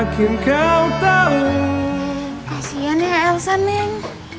kasian ya elsa neng